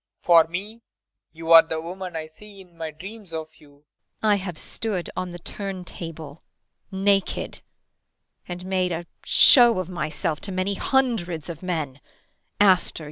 For me, you are the woman I see in my dreams of you. IRENE. I have stood on the turn table naked and made a show of myself to many hundreds of men after you.